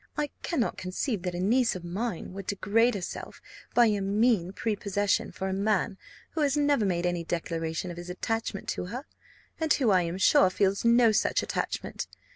I cannot conceive that a niece of mine could degrade herself by a mean prepossession for a man who has never made any declaration of his attachment to her, and who, I am sure, feels no such attachment.